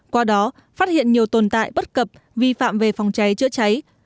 qua đó phát hiện nhiều tồn tại bất cập vi phạm về phòng cháy chữa cháy